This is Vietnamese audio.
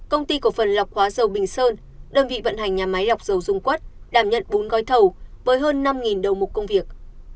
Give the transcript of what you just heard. công ty cổ phần lọc hóa dầu bình sơn đơn vị vận hành nhà máy lọc dầu dung quất đảm nhận bốn gói thầu với hơn năm đầu mục công việc